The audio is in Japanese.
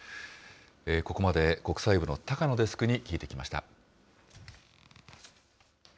ここまで国際部の高野デスクに聞いてきました。